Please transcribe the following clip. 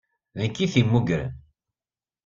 D nekk ay t-yemmugren.